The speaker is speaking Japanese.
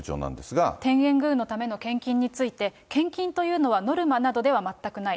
天苑宮のための献金について、献金というのはノルマなどでは全くない。